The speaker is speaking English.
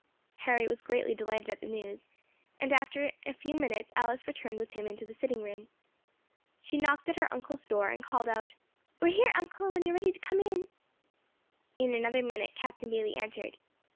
Harry was greatly delighted at the news, and after a few minutes Alice returned with him to the sitting room. She knocked at her uncle's door, and called out, "We are here, uncle, when you are ready to come in." In another minute Captain Bayley entered.